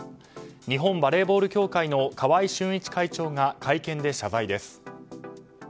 日本バレーボール協会の川合俊一会長が会見で謝罪です。